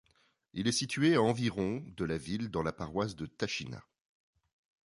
Il est situé à environ de la ville, dans la paroisse de Tachina.